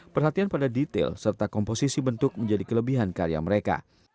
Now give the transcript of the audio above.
perhatian pada detail serta komposisi bentuk menjadi kelebihan karya mereka